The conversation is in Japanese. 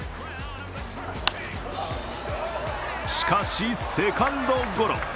しかし、セカンドゴロ。